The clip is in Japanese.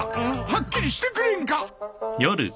はっきりしてくれんか！